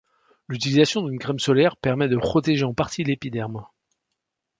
L'utilisation d'une crème solaire permet de protéger en partie l'épiderme.